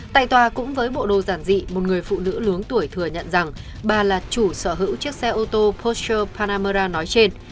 tại tòa cũng với bộ đồ giản dị một người phụ nữ lớn tuổi thừa nhận rằng bà là chủ sở hữu chiếc xe ô tô poster panamerra nói trên